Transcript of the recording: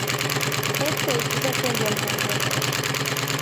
Este hecho sorprendió al mundo entero.